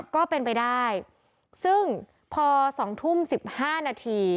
ก็เป็นไปได้ซึ่งพอ๒ทุ่ม๑๕นาที